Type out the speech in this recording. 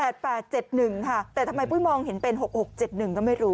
๘๘๗๑ค่ะแต่ทำไมพุทธมองเห็นเป็น๖๖๗๑ก็ไม่รู้